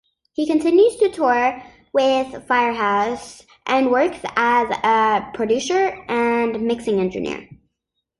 He continues to tour with FireHouse and works as a Producer and Mixing engineer.